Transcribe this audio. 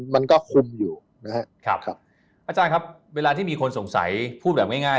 มันก็คุมอยู่นะครับครับอาจารย์ครับเวลาที่มีคนสงสัยพูดแบบง่าย